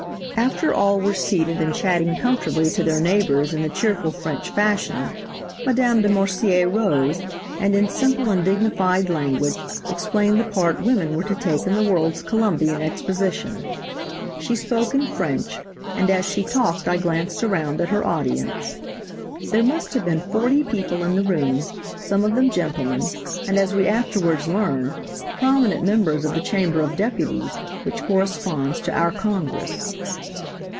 After all were seated and chatting comfortably to their neighbors in the cheerful French fashion, Madame de Morsier rose, and in simple and dignified language explained the part women were to take in the World's Co lumbian Exposition. She spoke in French, and as she talked I glanced around at her audience. "There must have been forty people in the room, some of them gentlemen, and as we afterwards learned, prominent members of the Chamber of Deputies, which corresponds to our Congress.